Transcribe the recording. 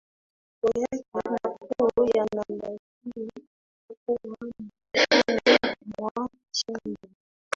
o yake makuu yanabaki kuwa mpakani mwa nchi ya